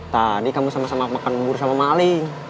tadi kamu sama sama makan bubur sama maling